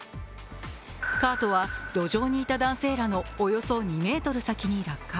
カートは路上にいた男性らのおよそ２ｍ先に落下。